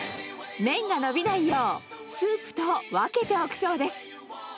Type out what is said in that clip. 麺がのびないよう、スープと分けておくそうです。